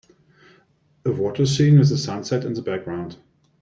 A water scene with a sunset in the background.